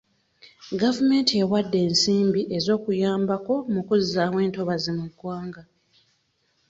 Gavumenti ewadde ensimbi ez'okuyambako mu kuzzaawo entobazi mu ggwanga.